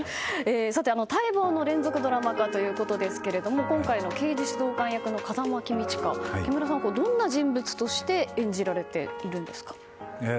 さて、待望の連続ドラマ化ということですが今回の刑事指導官役の風間公親木村さん、どんな人物として演じられているんですか？